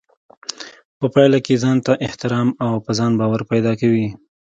په پايله کې ځانته احترام او په ځان باور پيدا کوي.